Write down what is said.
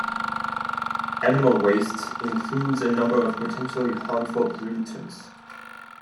Animal waste includes a number of potentially harmful pollutants.